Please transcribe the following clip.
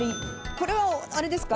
これはあれですか？